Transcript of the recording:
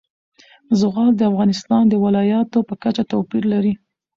زغال د افغانستان د ولایاتو په کچه توپیر لري.